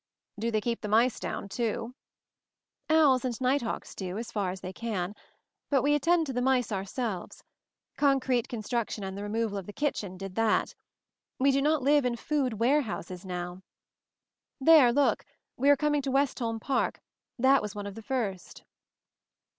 "Do they keep the mice down, too?" "Owls and night hawks do, as far as they can. But we attend to the mice ourselves. Concrete construction and the removal of the kitchen did that. We do not live in food warehouses now. There, look! We are coming to Westholm Park; that was one of the first."